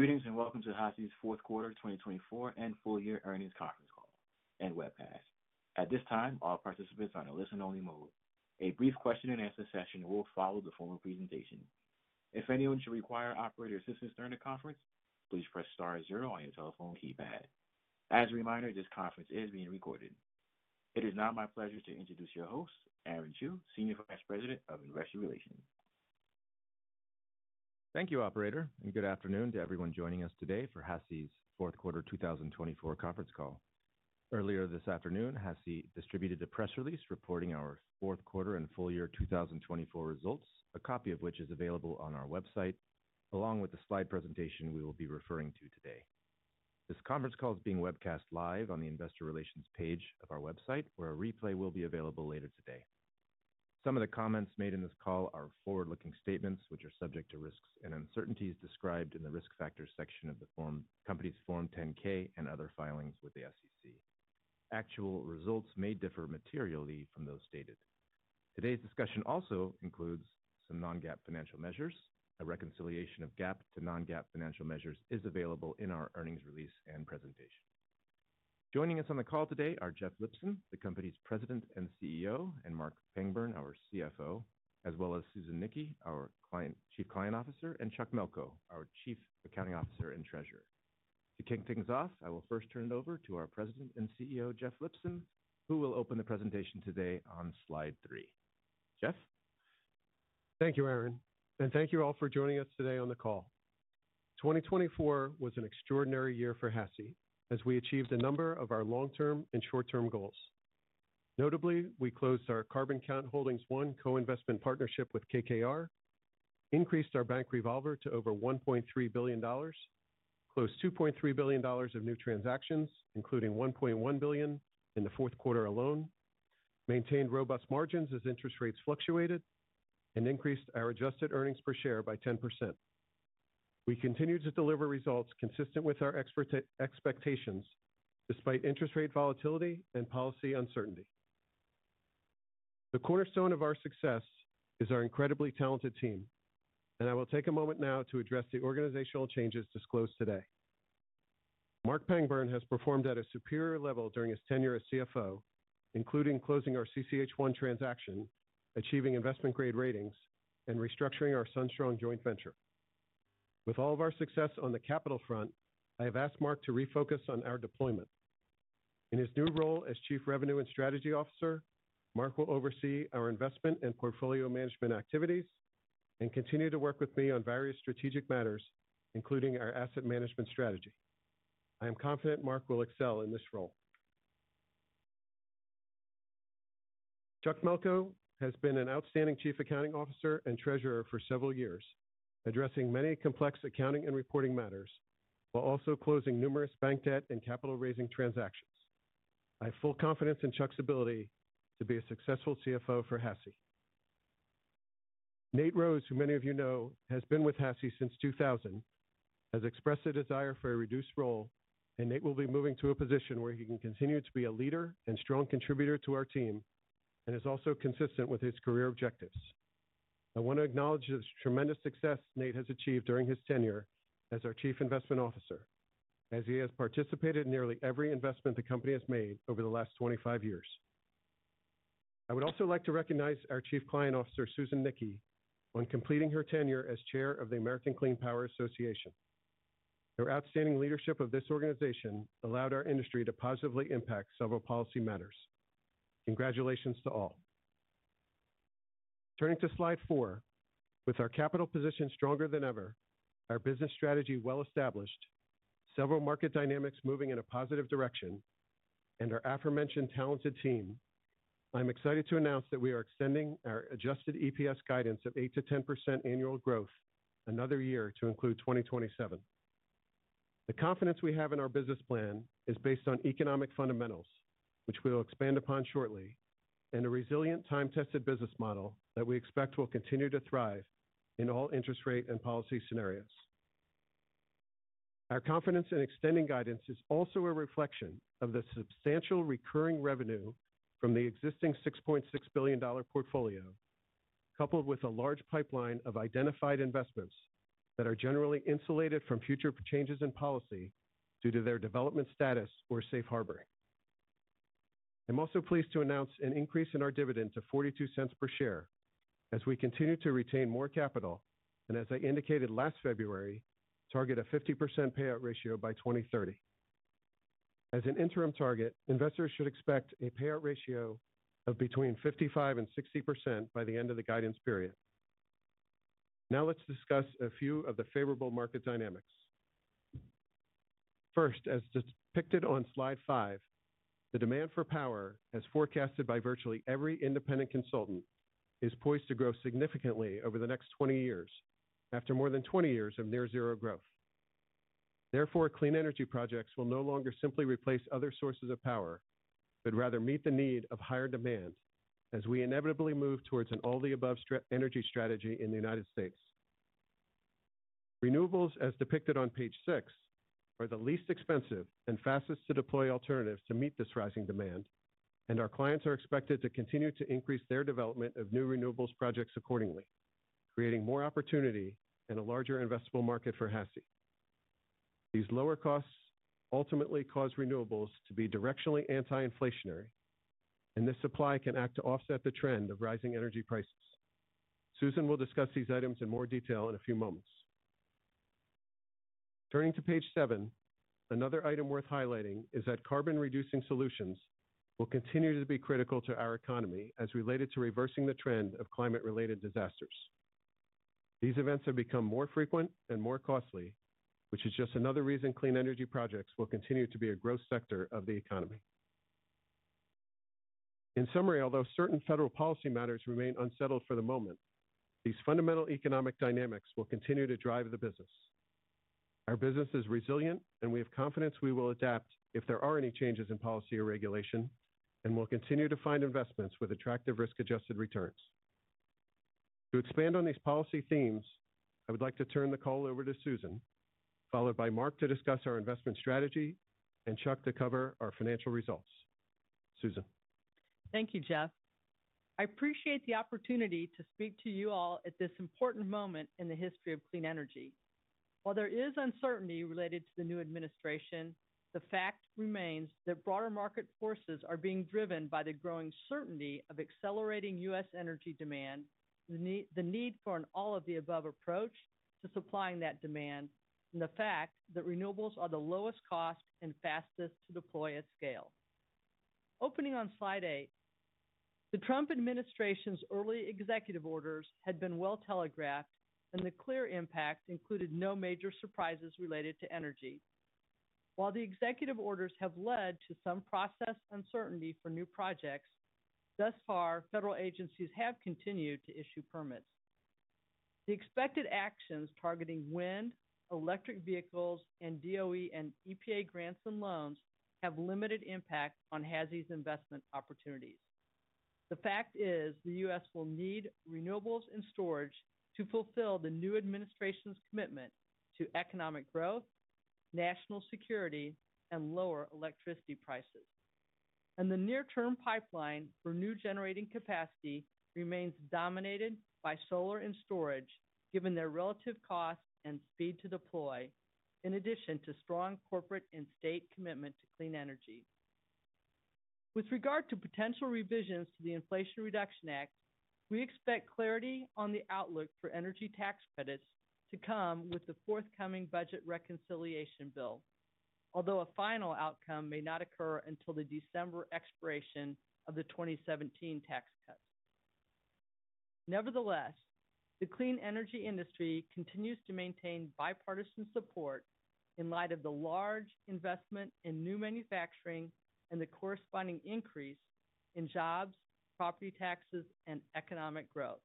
Greetings and welcome to HASI's Fourth Quarter 2024 and Full-Year Earnings Conference Call and Webcast. At this time, all participants are in a listen-only mode. A brief question and answer session will follow the formal presentation. If anyone should require operator assistance during the conference, please press star zero on your telephone keypad. As a reminder, this conference is being recorded. It is now my pleasure to introduce your host, Aaron Chew, Senior Vice President of Investor Relations. Thank you, Operator, and good afternoon to everyone joining us today for HASI's Fourth Quarter 2024 Conference Call. Earlier this afternoon, HASI distributed a press release reporting our fourth quarter and full-year 2024 results, a copy of which is available on our website, along with the slide presentation we will be referring to today. This conference call is being webcast live on the Investor Relations page of our website, where a replay will be available later today. Some of the comments made in this call are forward-looking statements, which are subject to risks and uncertainties described in the risk factor section of the company's Form 10-K and other filings with the SEC. Actual results may differ materially from those stated. Today's discussion also includes some non-GAAP financial measures. A reconciliation of GAAP to non-GAAP financial measures is available in our earnings release and presentation. Joining us on the call today are Jeff Lipson, the company's President and CEO, and Marc Pangburn, our CFO, as well as Susan Nickey, our Chief Client Officer, and Chuck Melko, our Chief Accounting Officer and Treasurer. To kick things off, I will first turn it over to our President and CEO, Jeff Lipson, who will open the presentation today on slide three. Jeff? Thank you, Aaron, and thank you all for joining us today on the call. 2024 was an extraordinary year for HASI as we achieved a number of our long-term and short-term goals. Notably, we closed our CarbonCount Holdings 1 co-investment partnership with KKR, increased our bank revolver to over $1.3 billion, closed $2.3 billion of new transactions, including $1.1 billion in the fourth quarter alone, maintained robust margins as interest rates fluctuated, and increased our adjusted earnings per share by 10%. We continued to deliver results consistent with our expectations despite interest rate volatility and policy uncertainty. The cornerstone of our success is our incredibly talented team, and I will take a moment now to address the organizational changes disclosed today. Marc Pangburn has performed at a superior level during his tenure as CFO, including closing our CCH1 transaction, achieving investment-grade ratings, and restructuring our SunStrong joint venture. With all of our success on the capital front, I have asked Marc to refocus on our deployment. In his new role as Chief Revenue and Strategy Officer, Marc will oversee our investment and portfolio management activities and continue to work with me on various strategic matters, including our asset management strategy. I am confident Marc will excel in this role. Chuck Melko has been an outstanding Chief Accounting Officer and Treasurer for several years, addressing many complex accounting and reporting matters while also closing numerous bank debt and capital-raising transactions. I have full confidence in Chuck's ability to be a successful CFO for HASI. Nate Rose, who many of you know, has been with HASI since 2000, has expressed a desire for a reduced role, and Nate will be moving to a position where he can continue to be a leader and strong contributor to our team and is also consistent with his career objectives. I want to acknowledge the tremendous success Nate has achieved during his tenure as our Chief Investment Officer, as he has participated in nearly every investment the company has made over the last 25 years. I would also like to recognize our Chief Client Officer, Susan Nickey, on completing her tenure as Chair of the American Clean Power Association. Her outstanding leadership of this organization allowed our industry to positively impact several policy matters. Congratulations to all. Turning to slide four, with our capital position stronger than ever, our business strategy well established, several market dynamics moving in a positive direction, and our aforementioned talented team, I'm excited to announce that we are extending our Adjusted EPS guidance of 8%-10% annual growth another year to include 2027. The confidence we have in our business plan is based on economic fundamentals, which we will expand upon shortly, and a resilient, time-tested business model that we expect will continue to thrive in all interest rate and policy scenarios. Our confidence in extending guidance is also a reflection of the substantial recurring revenue from the existing $6.6 billion portfolio, coupled with a large pipeline of identified investments that are generally insulated from future changes in policy due to their development status or safe harbor. I'm also pleased to announce an increase in our dividend to $0.42 per share as we continue to retain more capital and, as I indicated last February, target a 50% payout ratio by 2030. As an interim target, investors should expect a payout ratio of between 55% and 60% by the end of the guidance period. Now let's discuss a few of the favorable market dynamics. First, as depicted on slide five, the demand for power, as forecasted by virtually every independent consultant, is poised to grow significantly over the next 20 years after more than 20 years of near-zero growth. Therefore, clean energy projects will no longer simply replace other sources of power, but rather meet the need of higher demand as we inevitably move towards an all-the-above energy strategy in the United States. Renewables, as depicted on page six, are the least expensive and fastest to deploy alternatives to meet this rising demand, and our clients are expected to continue to increase their development of new renewables projects accordingly, creating more opportunity and a larger investable market for HASI. These lower costs ultimately cause renewables to be directionally anti-inflationary, and this supply can act to offset the trend of rising energy prices. Susan will discuss these items in more detail in a few moments. Turning to page seven, another item worth highlighting is that carbon-reducing solutions will continue to be critical to our economy as related to reversing the trend of climate-related disasters. These events have become more frequent and more costly, which is just another reason clean energy projects will continue to be a growth sector of the economy. In summary, although certain federal policy matters remain unsettled for the moment, these fundamental economic dynamics will continue to drive the business. Our business is resilient, and we have confidence we will adapt if there are any changes in policy or regulation and will continue to find investments with attractive risk-adjusted returns. To expand on these policy themes, I would like to turn the call over to Susan, followed by Marc to discuss our investment strategy and Chuck to cover our financial results. Susan? Thank you, Jeff. I appreciate the opportunity to speak to you all at this important moment in the history of clean energy. While there is uncertainty related to the new administration, the fact remains that broader market forces are being driven by the growing certainty of accelerating U.S. energy demand, the need for an all-of-the-above approach to supplying that demand, and the fact that renewables are the lowest cost and fastest to deploy at scale. Opening on slide eight, the Trump administration's early executive orders had been well telegraphed, and the clear impact included no major surprises related to energy. While the executive orders have led to some process uncertainty for new projects, thus far, federal agencies have continued to issue permits. The expected actions targeting wind, electric vehicles, and DOE and EPA grants and loans have limited impact on HASI's investment opportunities. The fact is the U.S. will need renewables and storage to fulfill the new administration's commitment to economic growth, national security, and lower electricity prices. And the near-term pipeline for new generating capacity remains dominated by solar and storage, given their relative cost and speed to deploy, in addition to strong corporate and state commitment to clean energy. With regard to potential revisions to the Inflation Reduction Act, we expect clarity on the outlook for energy tax credits to come with the forthcoming budget reconciliation bill, although a final outcome may not occur until the December expiration of the 2017 tax cuts. Nevertheless, the clean energy industry continues to maintain bipartisan support in light of the large investment in new manufacturing and the corresponding increase in jobs, property taxes, and economic growth.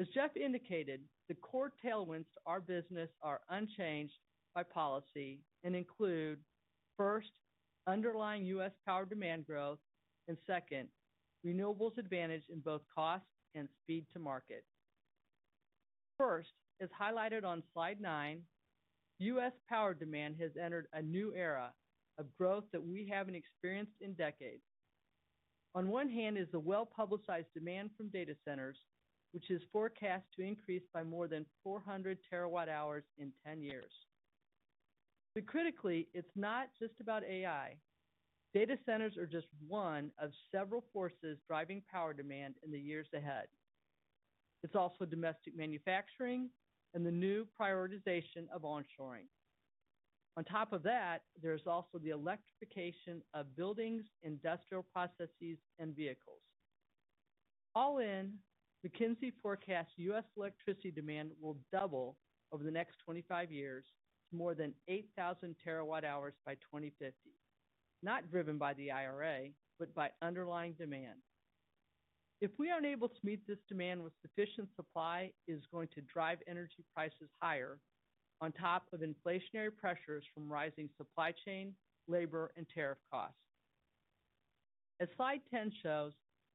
As Jeff indicated, the core tailwinds to our business are unchanged by policy and include, first, underlying U.S. power demand growth, and second, renewables' advantage in both cost and speed to market. First, as highlighted on slide nine, U.S. power demand has entered a new era of growth that we haven't experienced in decades. On one hand is the well-publicized demand from data centers, which is forecast to increase by more than 400 TWh in 10 years. But critically, it's not just about AI. Data centers are just one of several forces driving power demand in the years ahead. It's also domestic manufacturing and the new prioritization of onshoring. On top of that, there is also the electrification of buildings, industrial processes, and vehicles. All in, McKinsey forecasts U.S. electricity demand will double over the next 25 years to more than 8,000 TWh by 2050, not driven by the IRA, but by underlying demand. If we aren't able to meet this demand with sufficient supply, it is going to drive energy prices higher, on top of inflationary pressures from rising supply chain, labor, and tariff costs. As slide 10 shows,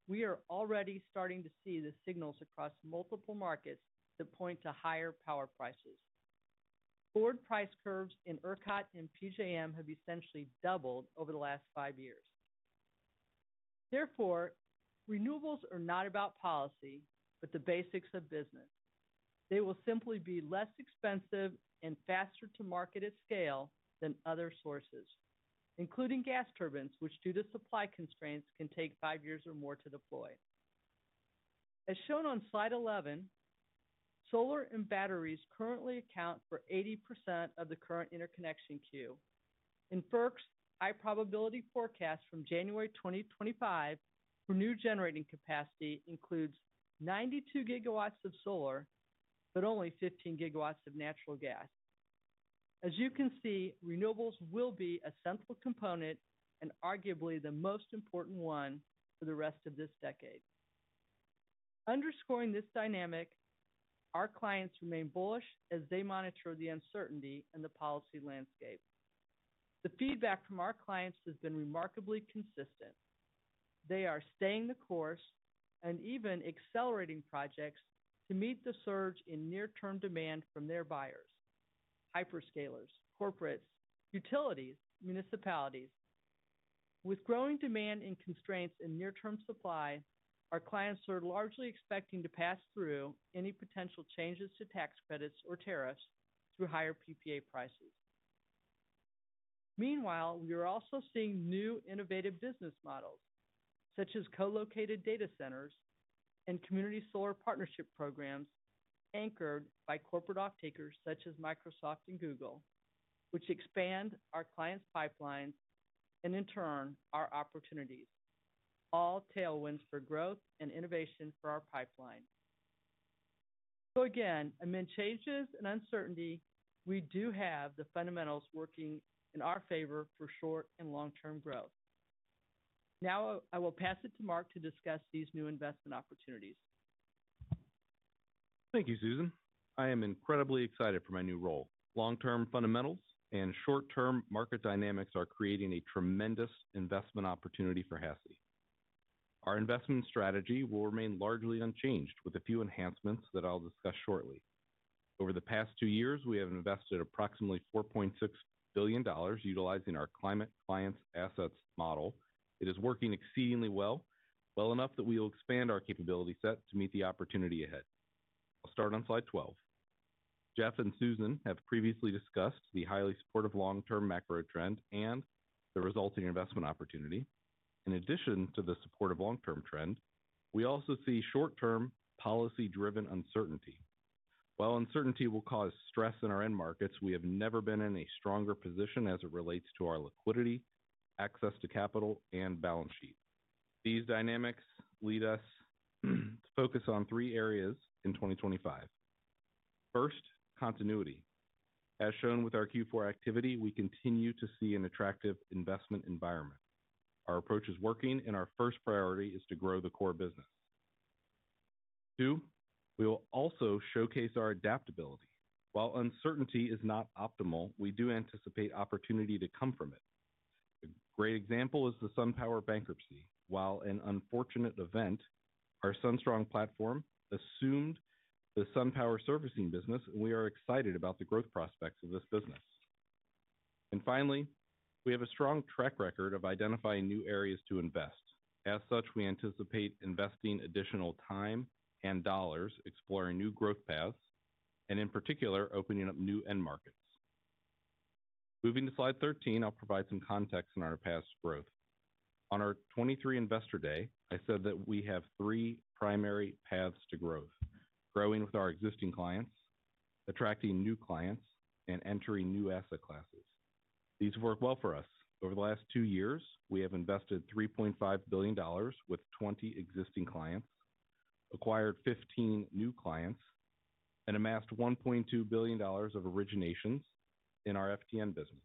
we are already starting to see the signals across multiple markets that point to higher power prices. Forward price curves in ERCOT and PJM have essentially doubled over the last five years. Therefore, renewables are not about policy, but the basics of business. They will simply be less expensive and faster to market at scale than other sources, including gas turbines, which, due to supply constraints, can take five years or more to deploy. As shown on slide 11, solar and batteries currently account for 80% of the current interconnection queue. In FERC's high-probability forecast from January 2025 for new generating capacity includes 92 GW of solar, but only 15 GW of natural gas. As you can see, renewables will be a central component and arguably the most important one for the rest of this decade. Underscoring this dynamic, our clients remain bullish as they monitor the uncertainty in the policy landscape. The feedback from our clients has been remarkably consistent. They are staying the course and even accelerating projects to meet the surge in near-term demand from their buyers: hyperscalers, corporates, utilities, municipalities. With growing demand and constraints in near-term supply, our clients are largely expecting to pass through any potential changes to tax credits or tariffs through higher PPA prices. Meanwhile, we are also seeing new innovative business models, such as co-located data centers and community solar partnership programs anchored by corporate off-takers such as Microsoft and Google, which expand our clients' pipelines and, in turn, our opportunities. All tailwinds for growth and innovation for our pipeline. So again, amid changes and uncertainty, we do have the fundamentals working in our favor for short and long-term growth. Now I will pass it to Marc to discuss these new investment opportunities. Thank you, Susan. I am incredibly excited for my new role. Long-term fundamentals and short-term market dynamics are creating a tremendous investment opportunity for HASl. Our investment strategy will remain largely unchanged, with a few enhancements that I'll discuss shortly. Over the past two years, we have invested approximately $4.6 billion utilizing our climate-clients-assets model. It is working exceedingly well, well enough that we will expand our capability set to meet the opportunity ahead. I'll start on slide 12. Jeff and Susan have previously discussed the highly supportive long-term macro trend and the resulting investment opportunity. In addition to the supportive long-term trend, we also see short-term policy-driven uncertainty. While uncertainty will cause stress in our end markets, we have never been in a stronger position as it relates to our liquidity, access to capital, and balance sheet. These dynamics lead us to focus on three areas in 2025. First, continuity. As shown with our Q4 activity, we continue to see an attractive investment environment. Our approach is working, and our first priority is to grow the core business. Two, we will also showcase our adaptability. While uncertainty is not optimal, we do anticipate opportunity to come from it. A great example is the SunPower bankruptcy. While an unfortunate event, our SunStrong platform assumed the SunPower servicing business, we are excited about the growth prospects of this business. And finally, we have a strong track record of identifying new areas to invest. As such, we anticipate investing additional time and dollars, exploring new growth paths, and in particular, opening up new end markets. Moving to slide 13, I'll provide some context on our past growth. On our 2023 investor day, I said that we have three primary paths to growth: growing with our existing clients, attracting new clients, and entering new asset classes. These have worked well for us. Over the last two years, we have invested $3.5 billion with 20 existing clients, acquired 15 new clients, and amassed $1.2 billion of originations in our FTN business.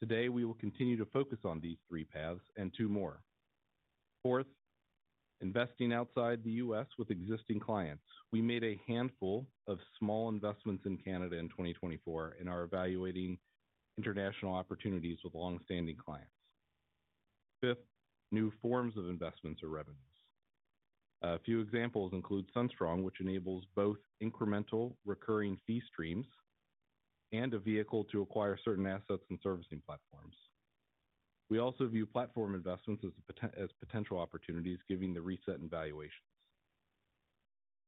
Today, we will continue to focus on these three paths and two more. Fourth, investing outside the U.S. with existing clients. We made a handful of small investments in Canada in 2024, and are evaluating international opportunities with long-standing clients. Fifth, new forms of investments or revenues. A few examples include SunStrong, which enables both incremental recurring fee streams and a vehicle to acquire certain assets and servicing platforms. We also view platform investments as potential opportunities, giving the reset and valuations.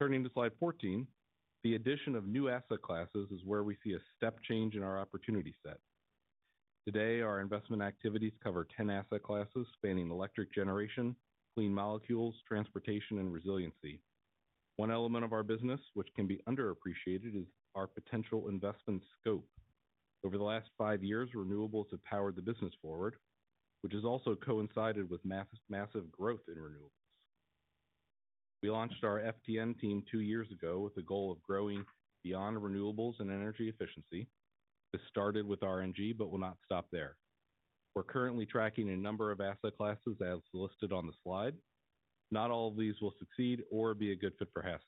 Turning to slide 14, the addition of new asset classes is where we see a step change in our opportunity set. Today, our investment activities cover 10 asset classes spanning electric generation, clean molecules, transportation, and resiliency. One element of our business, which can be underappreciated, is our potential investment scope. Over the last five years, renewables have powered the business forward, which has also coincided with massive growth in renewables. We launched our FTN team two years ago with the goal of growing beyond renewables and energy efficiency. This started with RNG, but will not stop there. We're currently tracking a number of asset classes, as listed on the slide. Not all of these will succeed or be a good fit for HASI.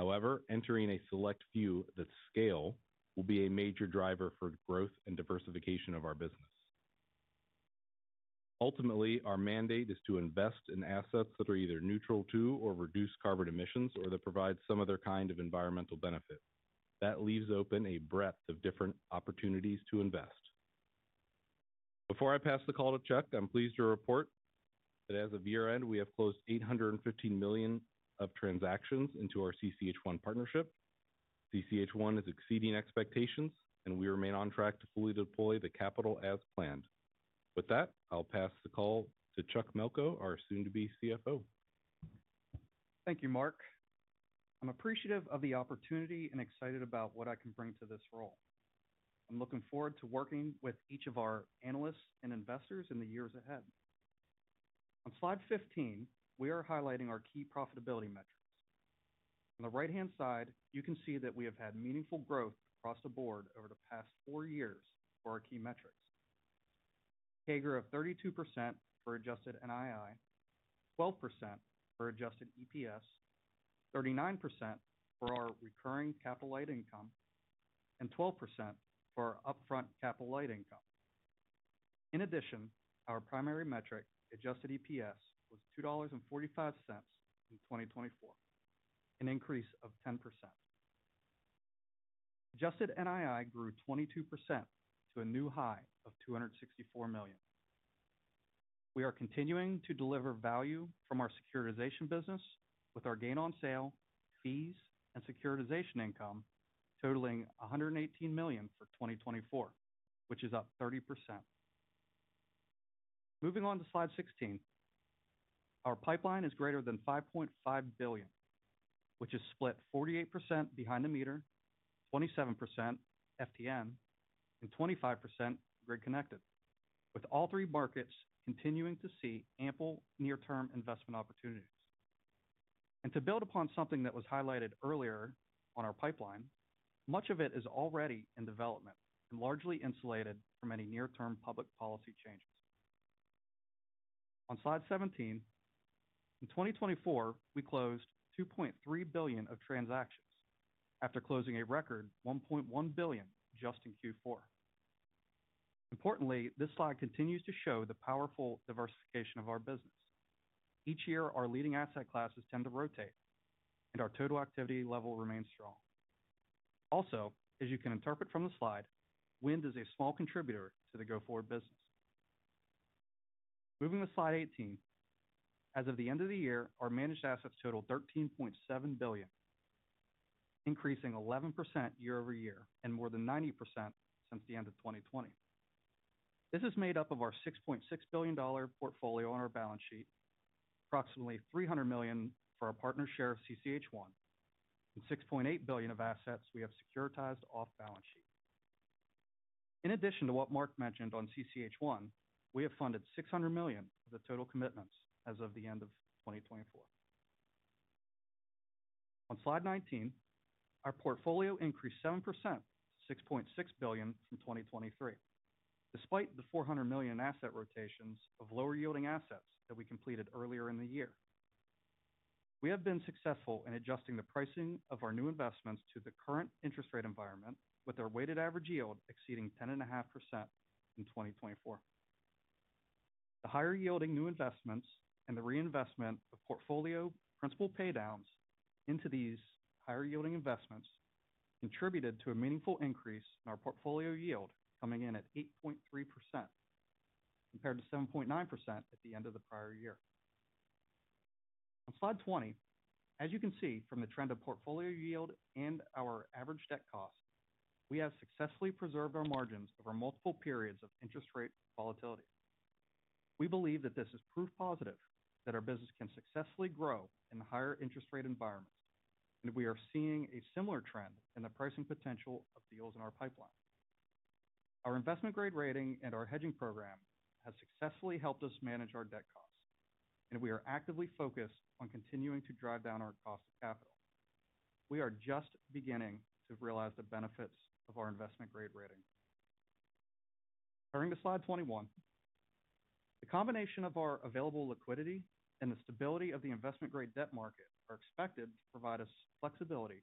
However, entering a select few that scale will be a major driver for growth and diversification of our business. Ultimately, our mandate is to invest in assets that are either neutral to or reduce carbon emissions or that provide some other kind of environmental benefit. That leaves open a breadth of different opportunities to invest. Before I pass the call to Chuck, I'm pleased to report that as of year-end, we have closed $815 million of transactions into our CCH1 partnership. CCH1 is exceeding expectations, and we remain on track to fully deploy the capital as planned. With that, I'll pass the call to Chuck Melko, our soon-to-be CFO. Thank you, Marc. I'm appreciative of the opportunity and excited about what I can bring to this role. I'm looking forward to working with each of our analysts and investors in the years ahead. On slide 15, we are highlighting our key profitability metrics. On the right-hand side, you can see that we have had meaningful growth across the board over the past four years for our key metrics: CAGR of 32% for Adjusted NII, 12% for Adjusted EPS, 39% for our recurring capital-light income, and 12% for our upfront capital-light income. In addition, our primary metric, Adjusted EPS, was $2.45 in 2024, an increase of 10%. Adjusted NII grew 22% to a new high of $264 million. We are continuing to deliver value from our securitization business with our gain-on-sale fees and securitization income totaling $118 million for 2024, which is up 30%. Moving on to slide 16, our pipeline is greater than $5.5 billion, which is split 48% Behind-The-Meter, 27% FTN, and 25% Grid-Connected, with all three markets continuing to see ample near-term investment opportunities, and to build upon something that was highlighted earlier on our pipeline, much of it is already in development and largely insulated from any near-term public policy changes. On slide 17, in 2024, we closed $2.3 billion of transactions after closing a record $1.1 billion just in Q4. Importantly, this slide continues to show the powerful diversification of our business. Each year, our leading asset classes tend to rotate, and our total activity level remains strong. Also, as you can interpret from the slide, wind is a small contributor to the go-forward business. Moving to slide 18, as of the end of the year, our managed assets totaled $13.7 billion, increasing 11% year-over-year and more than 90% since the end of 2020. This is made up of our $6.6 billion portfolio on our balance sheet, approximately $300 million for our partner share of CCH1, and $6.8 billion of assets we have securitized off-balance sheet. In addition to what Marc mentioned on CCH1, we have funded $600 million of the total commitments as of the end of 2024. On slide 19, our portfolio increased 7% to $6.6 billion from 2023, despite the $400 million asset rotations of lower-yielding assets that we completed earlier in the year. We have been successful in adjusting the pricing of our new investments to the current interest rate environment, with our weighted average yield exceeding 10.5% in 2024. The higher-yielding new investments and the reinvestment of portfolio principal paydowns into these higher-yielding investments contributed to a meaningful increase in our portfolio yield, coming in at 8.3% compared to 7.9% at the end of the prior year. On slide 20, as you can see from the trend of portfolio yield and our average debt cost, we have successfully preserved our margins over multiple periods of interest rate volatility. We believe that this is proof positive that our business can successfully grow in higher interest rate environments, and we are seeing a similar trend in the pricing potential of deals in our pipeline. Our investment-grade rating and our hedging program have successfully helped us manage our debt costs, and we are actively focused on continuing to drive down our cost of capital. We are just beginning to realize the benefits of our investment-grade rating. Turning to slide 21, the combination of our available liquidity and the stability of the investment-grade debt market are expected to provide us flexibility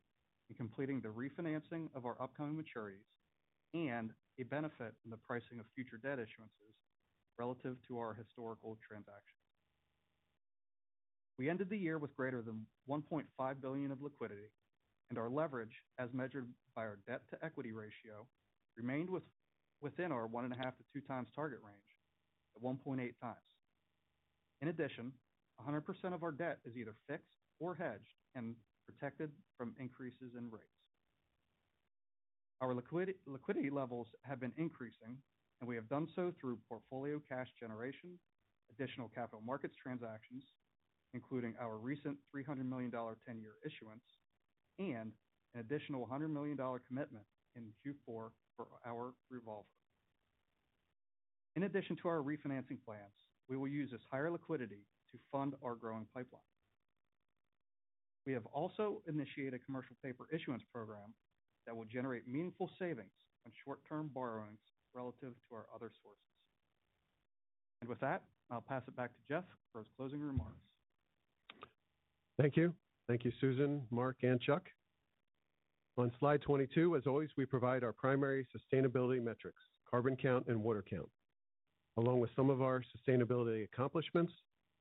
in completing the refinancing of our upcoming maturities and a benefit in the pricing of future debt issuances relative to our historical transactions. We ended the year with greater than $1.5 billion of liquidity, and our leverage, as measured by our debt-to-equity ratio, remained within our 1.5-2 times target range at 1.8 times. In addition, 100% of our debt is either fixed or hedged and protected from increases in rates. Our liquidity levels have been increasing, and we have done so through portfolio cash generation, additional capital markets transactions, including our recent $300 million 10-year issuance, and an additional $100 million commitment in Q4 for our revolver. In addition to our refinancing plans, we will use this higher liquidity to fund our growing pipeline. We have also initiated a commercial paper issuance program that will generate meaningful savings on short-term borrowings relative to our other sources. And with that, I'll pass it back to Jeff for his closing remarks. Thank you. Thank you, Susan, Marc, and Chuck. On slide 22, as always, we provide our primary sustainability metrics, CarbonCount and WaterCount, along with some of our sustainability accomplishments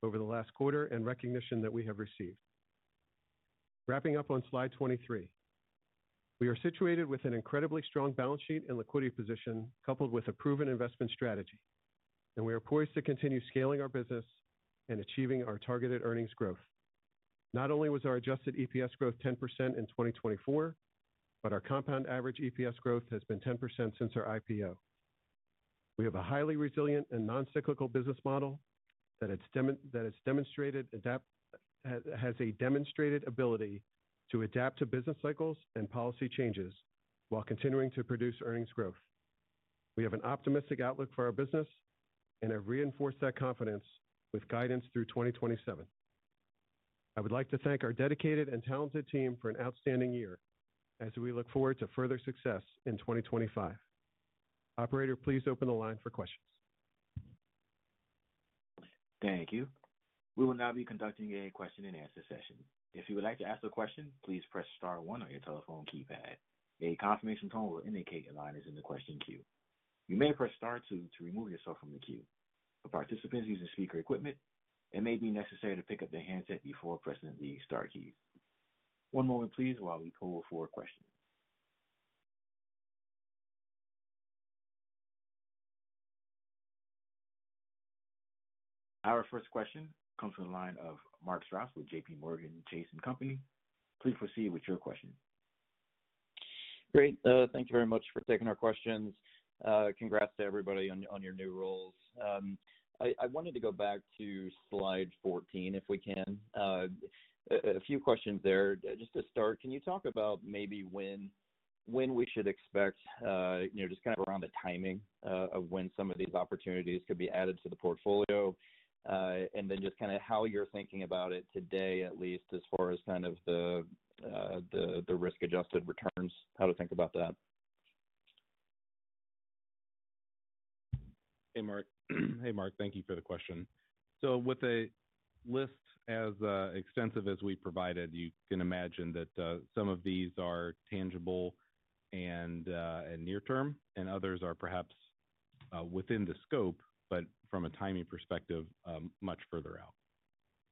over the last quarter and recognition that we have received. Wrapping up on slide 23, we are situated with an incredibly strong balance sheet and liquidity position coupled with a proven investment strategy, and we are poised to continue scaling our business and achieving our targeted earnings growth. Not only was our Adjusted EPS growth 10% in 2024, but our compound average EPS growth has been 10% since our IPO. We have a highly resilient and non-cyclical business model that has a demonstrated ability to adapt to business cycles and policy changes while continuing to produce earnings growth. We have an optimistic outlook for our business and have reinforced that confidence with guidance through 2027. I would like to thank our dedicated and talented team for an outstanding year as we look forward to further success in 2025. Operator, please open the line for questions. Thank you. We will now be conducting a question and answer session. If you would like to ask a question, please press star one on your telephone keypad. A confirmation tone will indicate your line is in the question queue. You may press star two to remove yourself from the queue. For participants using speaker equipment, it may be necessary to pick up their handset before pressing the star keys. One moment, please, while we poll for questions. Our first question comes from the line of Mark Strouse with JPMorgan Chase & Co. Please proceed with your question. Great. Thank you very much for taking our questions. Congrats to everybody on your new roles. I wanted to go back to slide 14, if we can. A few questions there. Just to start, can you talk about maybe when we should expect, just kind of around the timing of when some of these opportunities could be added to the portfolio, and then just kind of how you're thinking about it today, at least, as far as kind of the risk-adjusted returns, how to think about that? Hey, Marc. Hey, Marc, thank you for the question. So with a list as extensive as we provided, you can imagine that some of these are tangible and near-term, and others are perhaps within the scope, but from a timing perspective, much further out.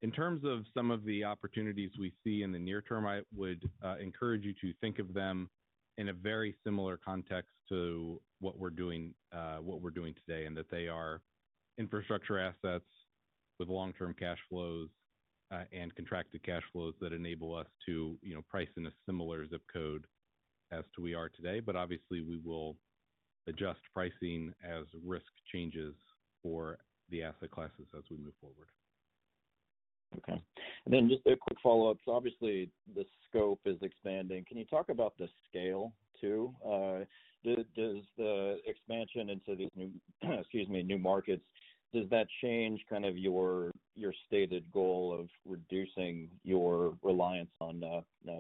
In terms of some of the opportunities we see in the near term, I would encourage you to think of them in a very similar context to what we're doing today, and that they are infrastructure assets with long-term cash flows and contracted cash flows that enable us to price in a similar zip code as to we are today. But obviously, we will adjust pricing as risk changes for the asset classes as we move forward. Okay. And then just a quick follow-up. So obviously, the scope is expanding. Can you talk about the scale, too? Does the expansion into these new, excuse me, new markets, does that change kind of your stated goal of reducing your reliance on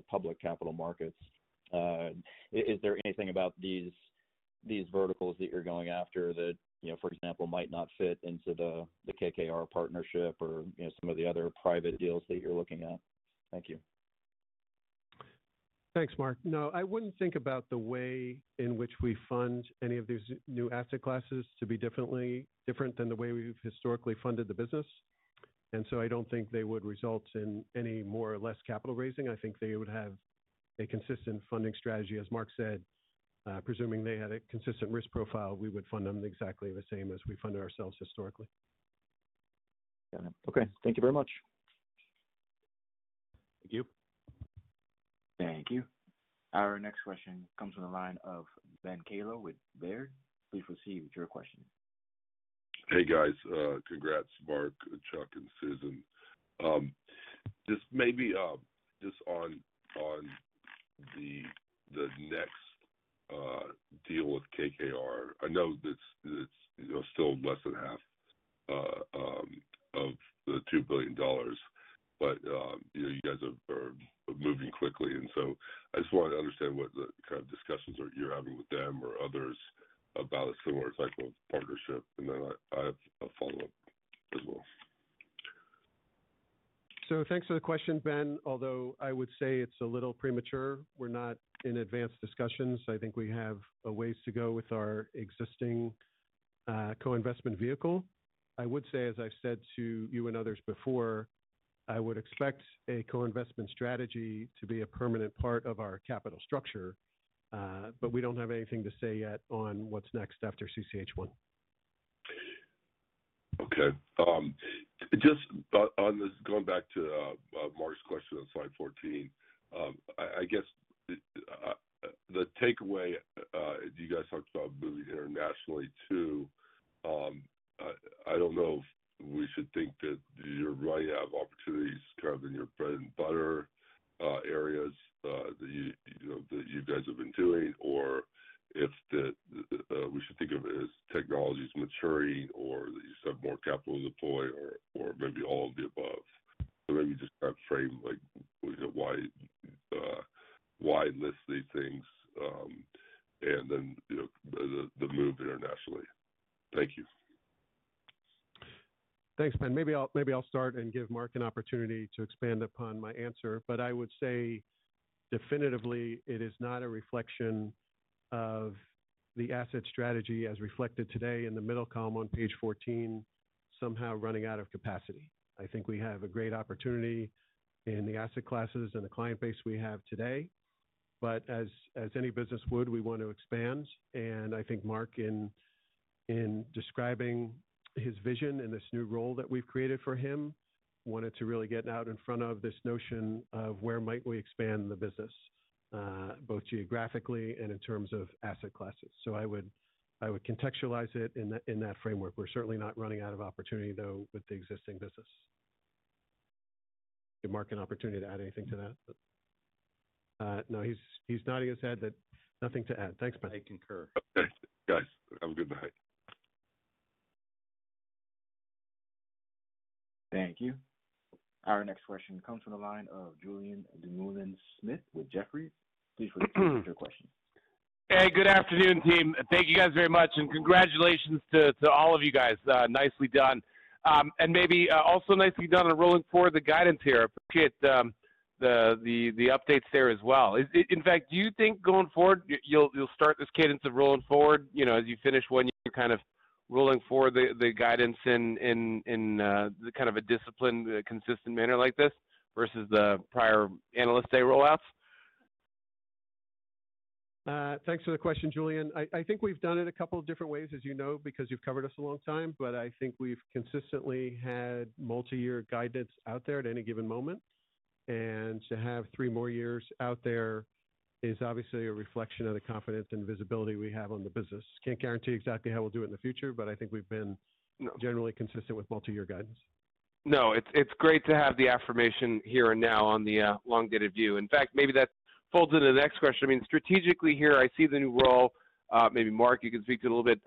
public capital markets? Is there anything about these verticals that you're going after that, for example, might not fit into the KKR partnership or some of the other private deals that you're looking at? Thank you. Thanks, Mark. No, I wouldn't think about the way in which we fund any of these new asset classes to be different than the way we've historically funded the business. And so I don't think they would result in any more or less capital raising. I think they would have a consistent funding strategy, as Marc said. Presuming they had a consistent risk profile, we would fund them exactly the same as we funded ourselves historically. Got it. Okay. Thank you very much. Thank you. Thank you. Our next question comes from the line of Ben Kallo with Baird. Please proceed with your question. Hey, guys. Congrats, Marc, Chuck, and Susan. Just maybe on the next deal with KKR, I know that it's still less than half of the $2 billion, but you guys are moving quickly, and so I just wanted to understand what the kind of discussions you're having with them or others about a similar type of partnership, and then I have a follow-up as well. So thanks for the question, Ben. Although I would say it's a little premature, we're not in advanced discussions. I think we have a ways to go with our existing co-investment vehicle. I would say, as I've said to you and others before, I would expect a co-investment strategy to be a permanent part of our capital structure, but we don't have anything to say yet on what's next after CCH1. Okay. Just going back to Mark's question on slide 14, I guess the takeaway you guys talked about moving internationally too, I don't know if we should think that you're running out of opportunities kind of in your bread-and-butter areas that you guys have been doing, or if we should think of it as technologies maturing or that you just have more capital to deploy or maybe all of the above. So maybe just kind of frame why list these things and then the move internationally. Thank you. Thanks, Ben. Maybe I'll start and give Marc an opportunity to expand upon my answer. But I would say definitively, it is not a reflection of the asset strategy as reflected today in the middle column on page 14, somehow running out of capacity. I think we have a great opportunity in the asset classes and the client base we have today. But as any business would, we want to expand. And I think Marc, in describing his vision and this new role that we've created for him, wanted to really get out in front of this notion of where might we expand the business, both geographically and in terms of asset classes. So I would contextualize it in that framework. We're certainly not running out of opportunity, though, with the existing business. Did Marc get an opportunity to add anything to that? No, he's nodding his head. Nothing to add. Thanks, Ben. I concur. Guys, have a good night. Thank you. Our next question comes from the line of Julien Dumoulin-Smith with Jefferies. Please proceed with your question. Hey, good afternoon, team. Thank you guys very much. And congratulations to all of you guys. Nicely done. And maybe also nicely done on rolling forward the guidance here. Appreciate the updates there as well. In fact, do you think going forward, you'll start this cadence of rolling forward as you finish one year kind of rolling forward the guidance in kind of a disciplined, consistent manner like this versus the prior analyst day rollouts? Thanks for the question, Julien. I think we've done it a couple of different ways, as you know, because you've covered us a long time, but I think we've consistently had multi-year guidance out there at any given moment, and to have three more years out there is obviously a reflection of the confidence and visibility we have on the business. Can't guarantee exactly how we'll do it in the future, but I think we've been generally consistent with multi-year guidance. No, it's great to have the affirmation here and now on the long-dated view. In fact, maybe that folds into the next question. I mean, strategically here, I see the new role. Maybe Marc, you can speak to it a little bit,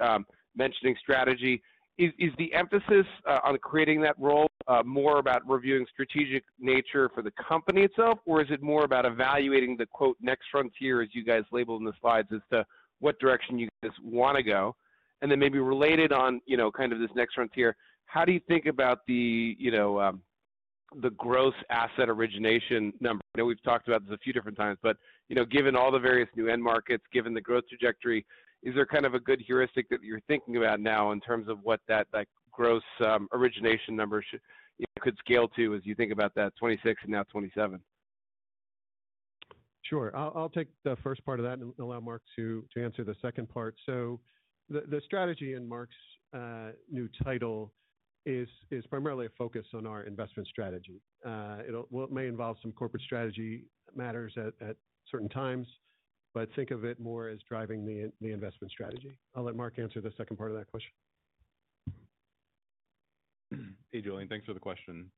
mentioning strategy. Is the emphasis on creating that role more about reviewing strategic nature for the company itself, or is it more about evaluating the, quote, next frontier, as you guys labeled in the slides, as to what direction you guys want to go? And then maybe related on kind of this next frontier, how do you think about the gross asset origination number? I know we've talked about this a few different times, but given all the various new end markets, given the growth trajectory, is there kind of a good heuristic that you're thinking about now in terms of what that gross origination number could scale to as you think about that 2026 and now 2027? Sure. I'll take the first part of that and allow Marc to answer the second part. So the strategy in Marc's new title is primarily a focus on our investment strategy. It may involve some corporate strategy matters at certain times, but think of it more as driving the investment strategy. I'll let Marc answer the second part of that question. Hey, Julien. Thanks for the question.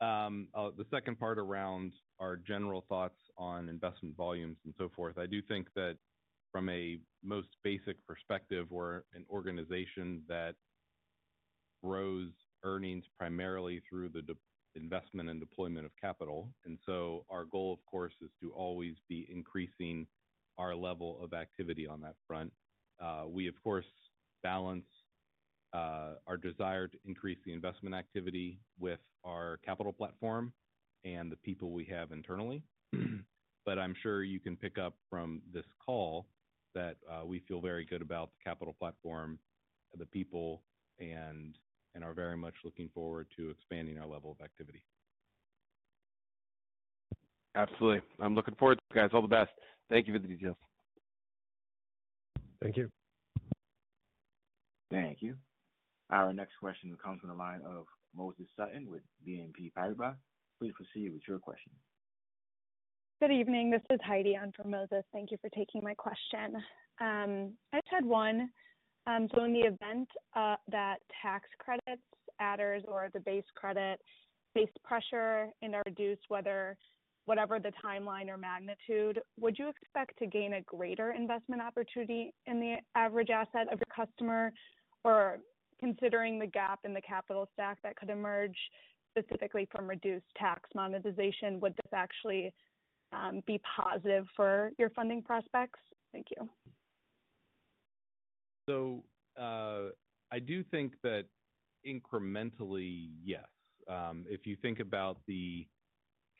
The second part around our general thoughts on investment volumes and so forth, I do think that from a most basic perspective, we're an organization that grows earnings primarily through the investment and deployment of capital. And so our goal, of course, is to always be increasing our level of activity on that front. We, of course, balance our desire to increase the investment activity with our capital platform and the people we have internally. But I'm sure you can pick up from this call that we feel very good about the capital platform, the people, and are very much looking forward to expanding our level of activity. Absolutely. I'm looking forward to it, guys. All the best. Thank you for the details. Thank you. Thank you. Our next question comes from the line of Moses Sutton with BNP Paribas. Please proceed with your question. Good evening. This is Heidi on for Moses. Thank you for taking my question. I just had one. So in the event that tax credits, adders, or the base credit faced pressure or were reduced, whatever the timeline or magnitude, would you expect to gain a greater investment opportunity in the average asset of your customer? Or considering the gap in the capital stack that could emerge specifically from reduced tax monetization, would this actually be positive for your funding prospects? Thank you. So I do think that incrementally, yes. If you think about the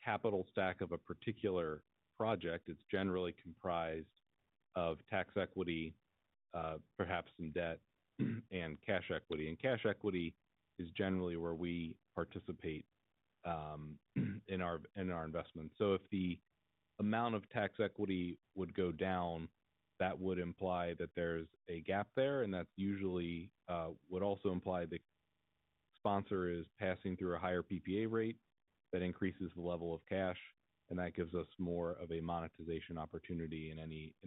capital stack of a particular project, it's generally comprised of tax equity, perhaps some debt, and cash equity. And cash equity is generally where we participate in our investment. So if the amount of tax equity would go down, that would imply that there's a gap there. And that usually would also imply the sponsor is passing through a higher PPA rate that increases the level of cash, and that gives us more of a monetization opportunity in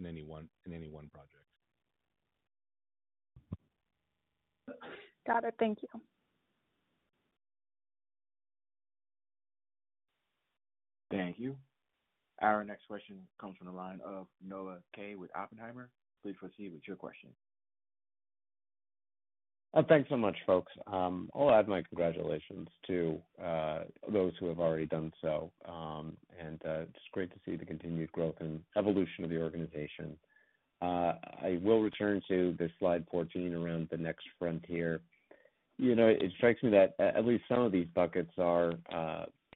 any one project. Got it. Thank you. Thank you. Our next question comes from the line of Noah Kaye with Oppenheimer. Please proceed with your question. Thanks so much, folks. I'll add my congratulations to those who have already done so. It's great to see the continued growth and evolution of the organization. I will return to this slide 14 around the next frontier. It strikes me that at least some of these buckets are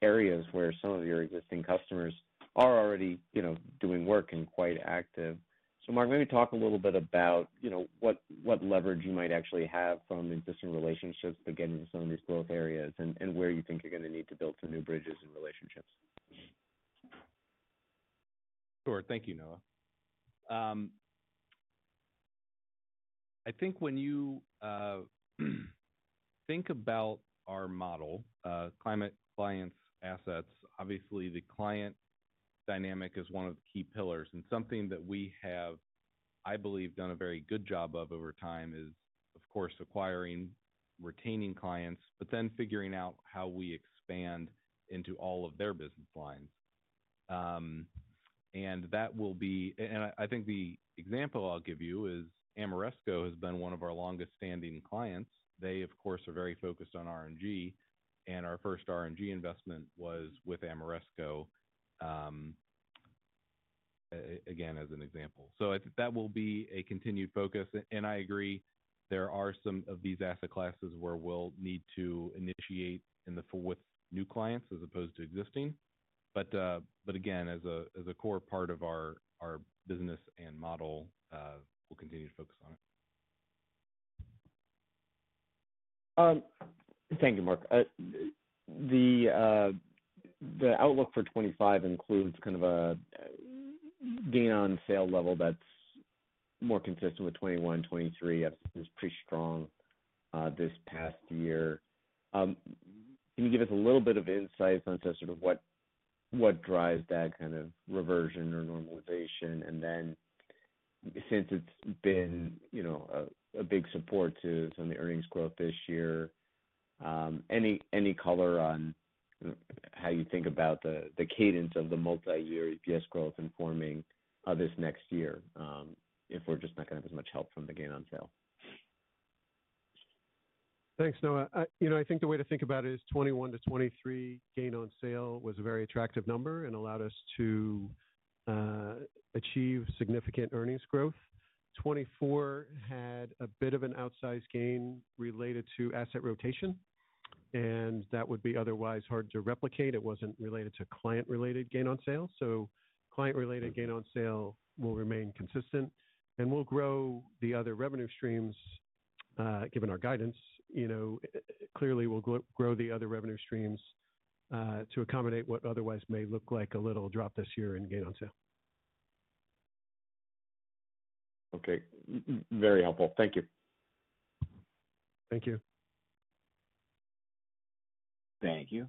areas where some of your existing customers are already doing work and quite active. So Marc, maybe talk a little bit about what leverage you might actually have from existing relationships to get into some of these growth areas and where you think you're going to need to build some new bridges and relationships? Sure. Thank you, Noah. I think when you think about our model, climate-clients assets, obviously, the client dynamic is one of the key pillars. Something that we have, I believe, done a very good job of over time is, of course, acquiring, retaining clients, but then figuring out how we expand into all of their business lines. That will be, and I think the example I'll give you is Ameresco has been one of our longest-standing clients. They, of course, are very focused on RNG. Our first RNG investment was with Ameresco, again, as an example. So that will be a continued focus. I agree there are some of these asset classes where we'll need to initiate in the future with new clients as opposed to existing. Again, as a core part of our business and model, we'll continue to focus on it. Thank you, Marc. The outlook for 2025 includes kind of a gain on sale level that's more consistent with 2021, 2023. It's pretty strong this past year. Can you give us a little bit of insight on sort of what drives that kind of reversion or normalization? And then since it's been a big support to some of the earnings growth this year, any color on how you think about the cadence of the multi-year EPS growth informing this next year if we're just not going to have as much help from the gain on sale? Thanks, Noah. I think the way to think about it is 2021-2023 gain on sale was a very attractive number and allowed us to achieve significant earnings growth. 2024 had a bit of an outsized gain related to asset rotation, and that would be otherwise hard to replicate. It wasn't related to client-related gain on sale. So client-related gain on sale will remain consistent. And we'll grow the other revenue streams given our guidance. Clearly, we'll grow the other revenue streams to accommodate what otherwise may look like a little drop this year in gain on sale. Okay. Very helpful. Thank you. Thank you. Thank you.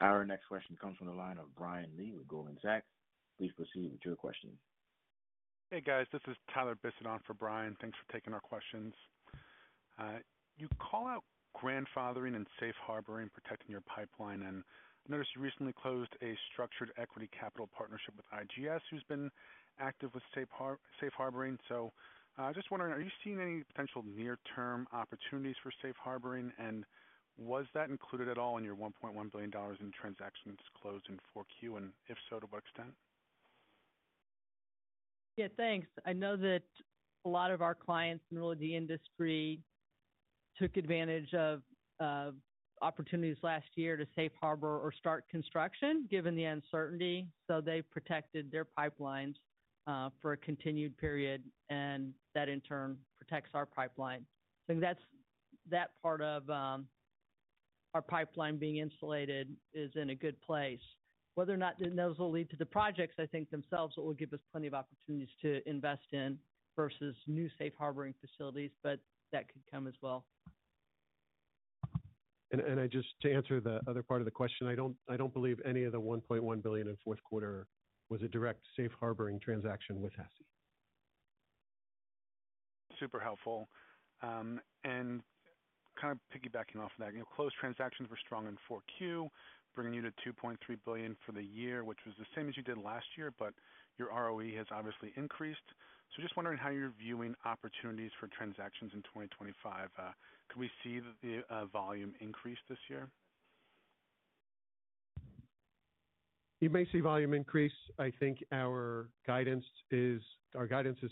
Our next question comes from the line of Brian Lee with Goldman Sachs. Please proceed with your question. Hey, guys. This is Tyler Bisset on for Brian. Thanks for taking our questions. You call out grandfathering and safe harboring, protecting your pipeline. And I noticed you recently closed a structured equity capital partnership with IGS, who's been active with safe harboring. So I'm just wondering, are you seeing any potential near-term opportunities for safe harboring? And was that included at all in your $1.1 billion in transactions closed in 4Q? And if so, to what extent? Yeah, thanks. I know that a lot of our clients in really the industry took advantage of opportunities last year to safe harbor or start construction, given the uncertainty. So they protected their pipelines for a continued period, and that in turn protects our pipeline. So I think that part of our pipeline being insulated is in a good place. Whether or not those will lead to the projects, I think themselves will give us plenty of opportunities to invest in versus new safe harboring facilities, but that could come as well. Just to answer the other part of the question, I don't believe any of the $1.1 billion in fourth quarter was a direct safe harbor transaction with HASI. Super helpful. And kind of piggybacking off of that, closed transactions were strong in 4Q, bringing you to $2.3 billion for the year, which was the same as you did last year, but your ROE has obviously increased. So just wondering how you're viewing opportunities for transactions in 2025. Can we see the volume increase this year? You may see volume increase. I think our guidance is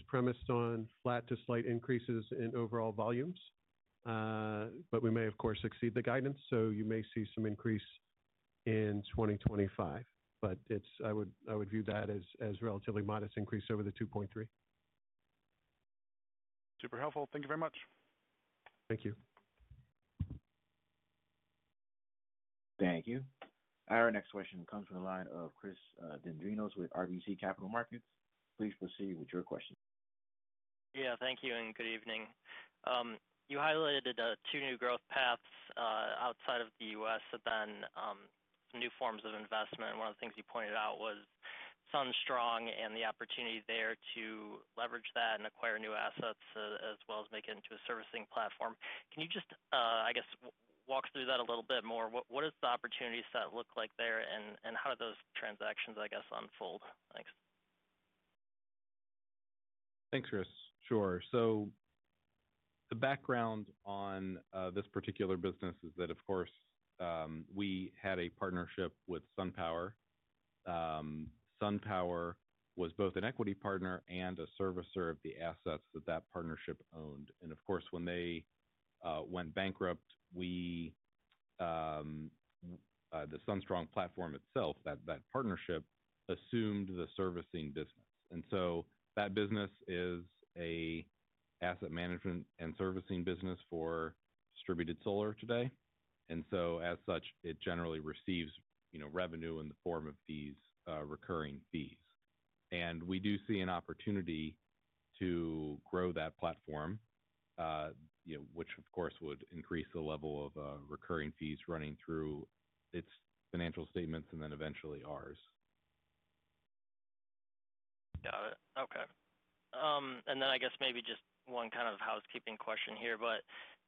premised on flat to slight increases in overall volumes, but we may, of course, exceed the guidance. So you may see some increase in 2025, but I would view that as a relatively modest increase over the $2.3 billion. Super helpful. Thank you very much. Thank you. Thank you. Our next question comes from the line of Chris Dendrinos with RBC Capital Markets. Please proceed with your question. Yeah, thank you, and good evening. You highlighted two new growth paths outside of the U.S., but then some new forms of investment. One of the things you pointed out was SunStrong and the opportunity there to leverage that and acquire new assets as well as make it into a servicing platform. Can you just, I guess, walk through that a little bit more? What does the opportunity set look like there, and how do those transactions, I guess, unfold? Thanks. Thanks, Chris. Sure. So the background on this particular business is that, of course, we had a partnership with SunPower. SunPower was both an equity partner and a servicer of the assets that that partnership owned. And of course, when they went bankrupt, the SunStrong platform itself, that partnership, assumed the servicing business. And so that business is an asset management and servicing business for distributed solar today. And so as such, it generally receives revenue in the form of these recurring fees. And we do see an opportunity to grow that platform, which, of course, would increase the level of recurring fees running through its financial statements and then eventually ours. Got it. Okay. And then I guess maybe just one kind of housekeeping question here, but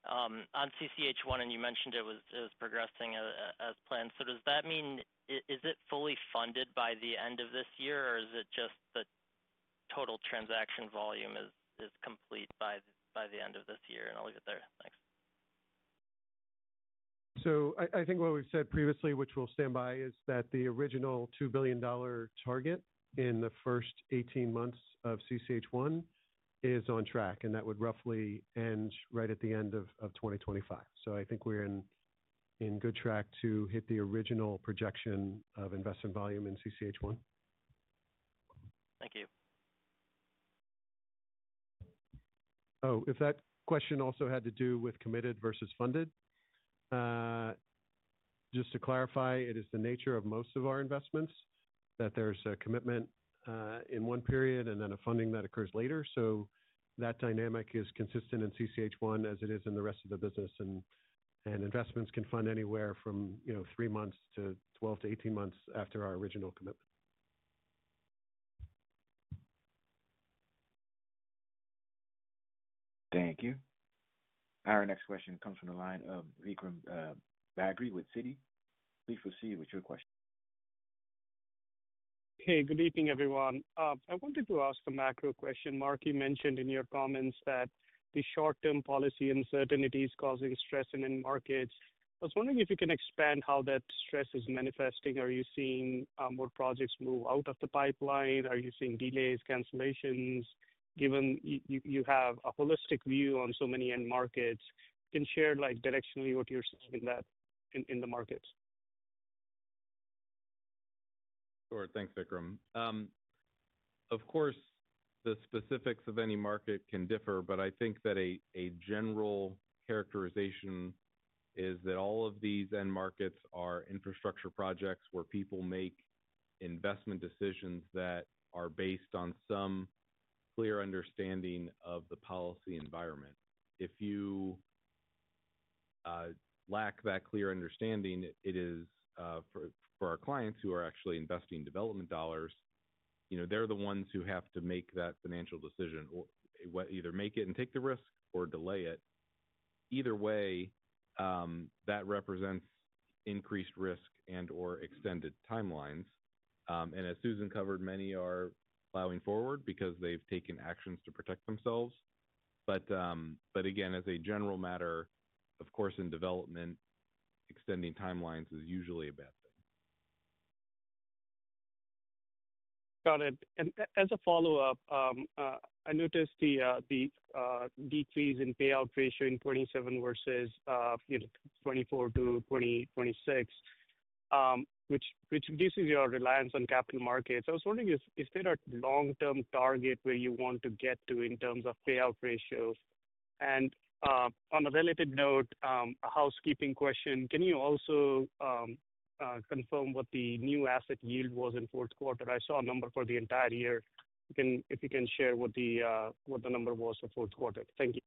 on CCH1, and you mentioned it was progressing as planned. So does that mean is it fully funded by the end of this year, or is it just the total transaction volume is complete by the end of this year? And I'll leave it there. Thanks. So I think what we've said previously, which we'll stand by, is that the original $2 billion target in the first 18 months of CCH1 is on track, and that would roughly end right at the end of 2025. So I think we're on good track to hit the original projection of investment volume in CCH1. Thank you. Oh, if that question also had to do with committed versus funded, just to clarify, it is the nature of most of our investments that there's a commitment in one period and then a funding that occurs later. So that dynamic is consistent in CCH1 as it is in the rest of the business, and investments can fund anywhere from three months to 12-18 months after our original commitment. Thank you. Our next question comes from the line of Vikram Bagri with Citi. Please proceed with your question. Hey, good evening, everyone. I wanted to ask a macro question. Marc, you mentioned in your comments that the short-term policy uncertainties causing stress in end markets. I was wondering if you can expand how that stress is manifesting. Are you seeing more projects move out of the pipeline? Are you seeing delays, cancellations? Given you have a holistic view on so many end markets, can you share directionally what you're seeing in the markets? Sure. Thanks, Vikram. Of course, the specifics of any market can differ, but I think that a general characterization is that all of these end markets are infrastructure projects where people make investment decisions that are based on some clear understanding of the policy environment. If you lack that clear understanding, it is for our clients who are actually investing development dollars. They're the ones who have to make that financial decision, either make it and take the risk or delay it. Either way, that represents increased risk and/or extended timelines. And as Susan covered, many are plowing forward because they've taken actions to protect themselves. But again, as a general matter, of course, in development, extending timelines is usually a bad thing. Got it. And as a follow-up, I noticed the decrease in payout ratio in 2027 versus 2024-2026, which reduces your reliance on capital markets. I was wondering if there are long-term targets where you want to get to in terms of payout ratios? And on a related note, a housekeeping question. Can you also confirm what the new asset yield was in fourth quarter? I saw a number for the entire year. If you can share what the number was for fourth quarter. Thank you.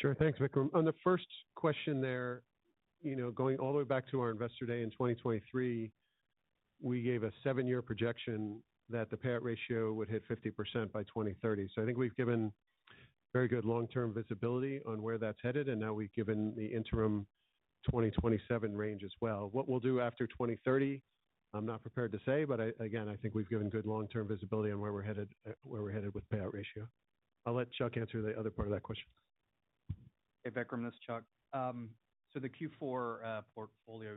Sure. Thanks, Vikram. On the first question there, going all the way back to our investor day in 2023, we gave a seven-year projection that the payout ratio would hit 50% by 2030. So I think we've given very good long-term visibility on where that's headed, and now we've given the interim 2027 range as well. What we'll do after 2030, I'm not prepared to say, but again, I think we've given good long-term visibility on where we're headed with payout ratio. I'll let Chuck answer the other part of that question. Hey, Vikram. This is Chuck. So the Q4 portfolio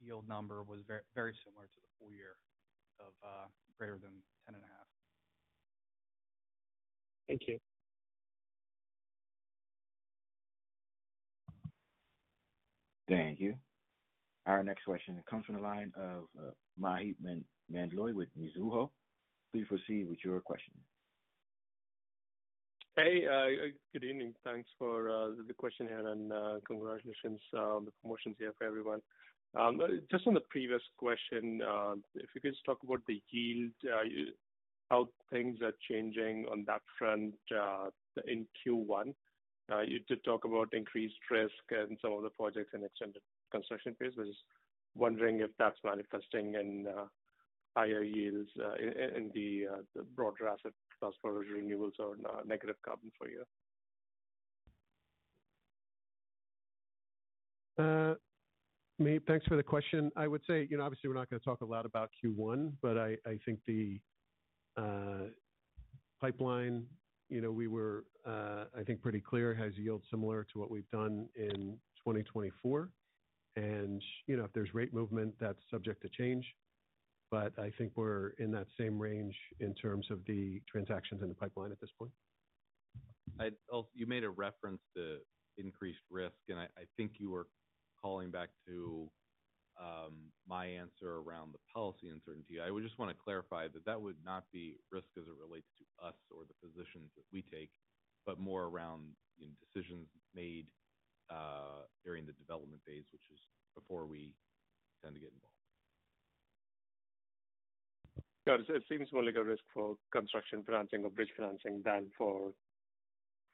yield number was very similar to the full year of greater than 10.5%. Thank you. Thank you. Our next question comes from the line of Maheep Mandloi with Mizuho. Please proceed with your question. Hey, good evening. Thanks for the question here, and congratulations on the promotions here for everyone. Just on the previous question, if you could just talk about the yield, how things are changing on that front in Q1? You did talk about increased risk and some of the projects and extended construction phase. I was wondering if that's manifesting in higher yields in the broader asset class for renewables or negative carbon for you? Thanks for the question. I would say, obviously, we're not going to talk a lot about Q1, but I think the pipeline we were, I think, pretty clear has yields similar to what we've done in 2024, and if there's rate movement, that's subject to change, but I think we're in that same range in terms of the transactions in the pipeline at this point. You made a reference to increased risk, and I think you were calling back to my answer around the policy uncertainty. I would just want to clarify that that would not be risk as it relates to us or the positions that we take, but more around decisions made during the development phase, which is before we tend to get involved. Got it. So it seems more like a risk for construction financing or bridge financing than for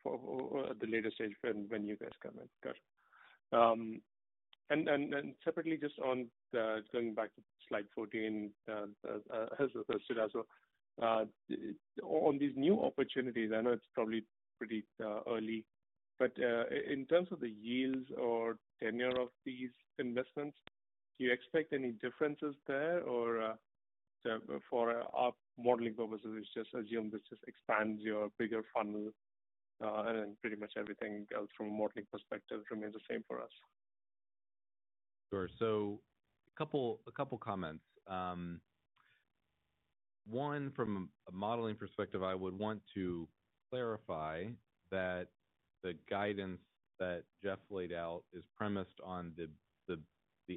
the later stage when you guys come in. Got it. And separately, just on going back to slide 14, as was suggested, on these new opportunities, I know it's probably pretty early, but in terms of the yields or tenure of these investments, do you expect any differences there? Or for our modeling purposes, let's just assume this just expands your bigger funnel, and then pretty much everything else from a modeling perspective remains the same for us. Sure. So a couple of comments. One, from a modeling perspective, I would want to clarify that the guidance that Jeff laid out is premised on the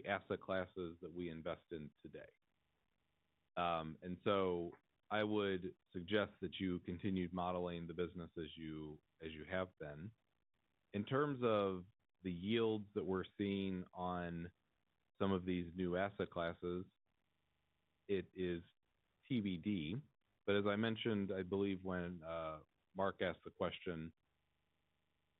asset classes that we invest in today. And so I would suggest that you continued modeling the business as you have been. In terms of the yields that we're seeing on some of these new asset classes, it is TBD. But as I mentioned, I believe when Mark asked the question,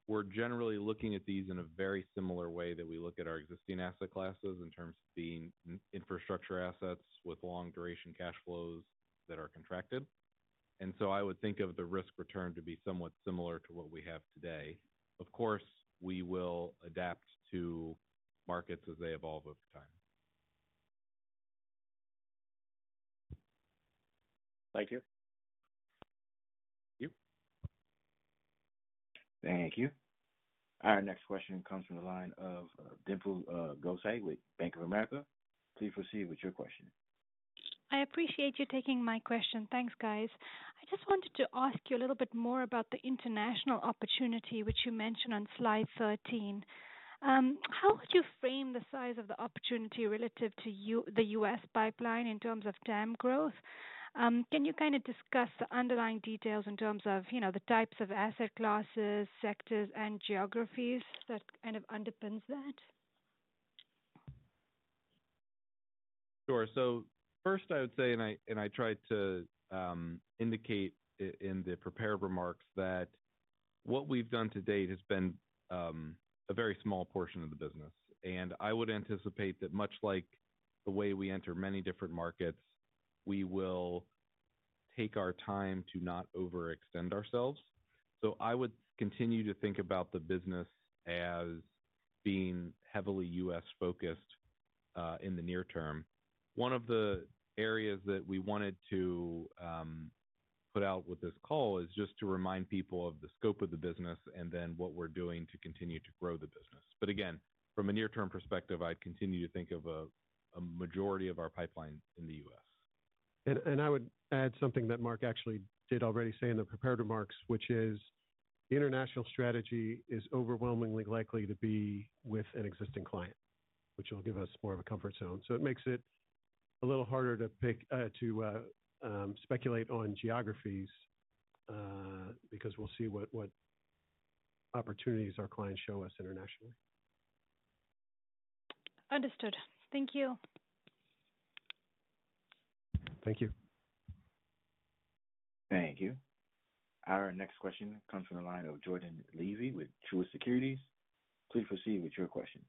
we're generally looking at these in a very similar way that we look at our existing asset classes in terms of being infrastructure assets with long-duration cash flows that are contracted. And so I would think of the risk return to be somewhat similar to what we have today. Of course, we will adapt to markets as they evolve over time. Thank you. Thank you. Thank you. Our next question comes from the line of Dimple Gosai with Bank of America. Please proceed with your question. I appreciate you taking my question. Thanks, guys. I just wanted to ask you a little bit more about the international opportunity, which you mentioned on slide 13. How would you frame the size of the opportunity relative to the U.S. pipeline in terms of demand growth? Can you kind of discuss the underlying details in terms of the types of asset classes, sectors, and geographies that kind of underpins that? Sure, so first, I would say, and I tried to indicate in the prepared remarks that what we've done to date has been a very small portion of the business, and I would anticipate that much like the way we enter many different markets, we will take our time to not overextend ourselves, so I would continue to think about the business as being heavily U.S.-focused in the near term. One of the areas that we wanted to put out with this call is just to remind people of the scope of the business and then what we're doing to continue to grow the business, but again, from a near-term perspective, I'd continue to think of a majority of our pipeline in the U.S. And I would add something that Marc actually did already say in the prepared remarks, which is the international strategy is overwhelmingly likely to be with an existing client, which will give us more of a comfort zone. So it makes it a little harder to speculate on geographies because we'll see what opportunities our clients show us internationally. Understood. Thank you. Thank you. Thank you. Our next question comes from the line of Jordan Levy with Truist Securities. Please proceed with your question.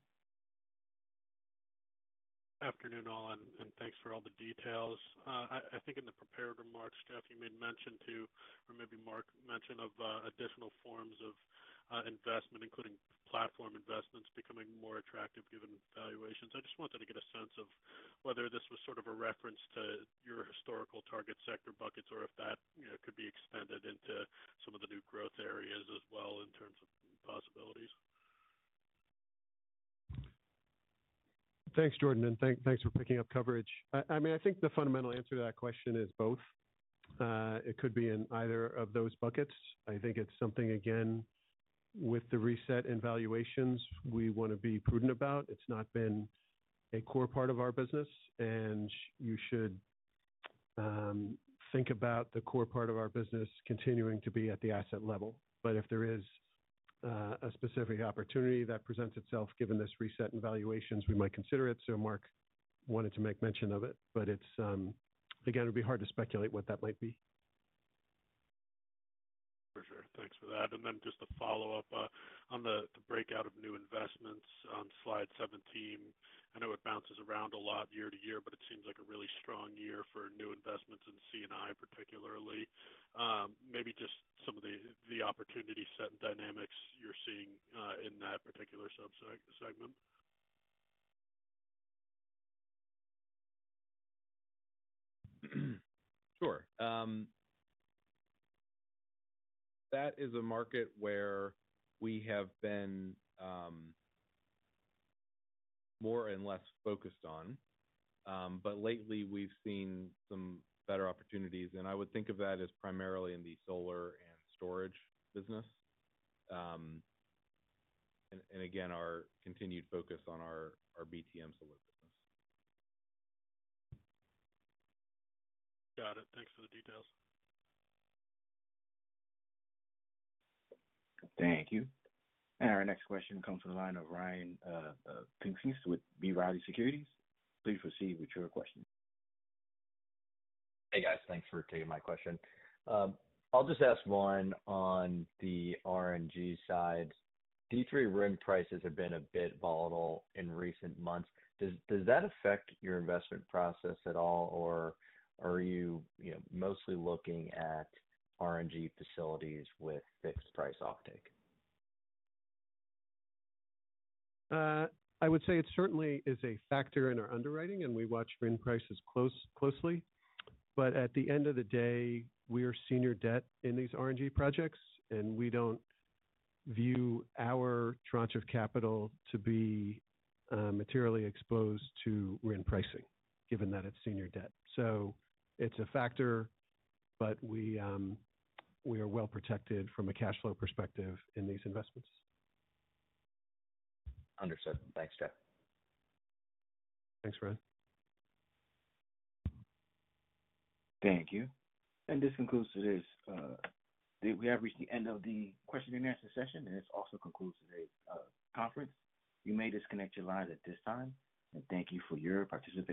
Afternoon, all, and thanks for all the details. I think in the prepared remarks, Jeff, you made mention to, or maybe Marc mentioned, of additional forms of investment, including platform investments becoming more attractive given valuations. I just wanted to get a sense of whether this was sort of a reference to your historical target sector buckets or if that could be extended into some of the new growth areas as well in terms of possibilities? Thanks, Jordan, and thanks for picking up coverage. I mean, I think the fundamental answer to that question is both. It could be in either of those buckets. I think it's something, again, with the reset and valuations we want to be prudent about. It's not been a core part of our business, and you should think about the core part of our business continuing to be at the asset level. But if there is a specific opportunity that presents itself given this reset and valuations, we might consider it. So Marc wanted to make mention of it, but again, it would be hard to speculate what that might be. For sure. Thanks for that. And then just a follow-up on the breakout of new investments on slide 17. I know it bounces around a lot year-to-year, but it seems like a really strong year for new investments in C&I, particularly. Maybe just some of the opportunity set and dynamics you're seeing in that particular subsegment. Sure. That is a market where we have been more and less focused on, but lately, we've seen some better opportunities, and I would think of that as primarily in the solar and storage business and, again, our continued focus on our BTM solar business. Got it. Thanks for the details. Thank you. And our next question comes from the line of Ryan Pfingst with B. Riley Securities. Please proceed with your question. Hey, guys. Thanks for taking my question. I'll just ask one on the RNG side. D3 RIN prices have been a bit volatile in recent months. Does that affect your investment process at all, or are you mostly looking at RNG facilities with fixed price offtake? I would say it certainly is a factor in our underwriting, and we watch RIN prices closely. But at the end of the day, we are senior debt in these RNG projects, and we don't view our tranche of capital to be materially exposed to RIN pricing, given that it's senior debt. So it's a factor, but we are well protected from a cash flow perspective in these investments. Understood. Thanks, Jeff. Thanks, Ryan. Thank you. And this concludes today's, we have reached the end of the question and answer session, and this also concludes today's conference. You may disconnect your lines at this time. And thank you for your participation.